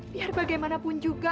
biar bagaimanapun juga